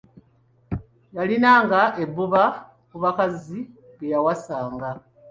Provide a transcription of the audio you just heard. Yalinanga ebbuba ku bakazi be yawasanga.